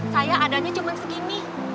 sayang adanya cuma segini